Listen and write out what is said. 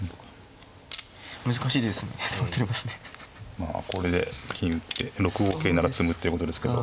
まあこれで金打って６五桂なら詰むってことですけど。